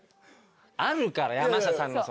あるから山下さんのそのねっ。